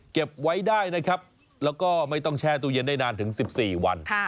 เก็บไว้ได้นะครับแล้วก็ไม่ต้องแช่ตู้เย็นได้นานถึง๑๔วัน